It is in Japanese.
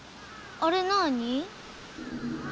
あれなーに？